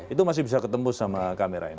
itu masih bisa ketemu sama kamera ini